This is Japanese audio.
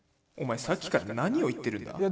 「お前さっきから何を言ってるんだ？」。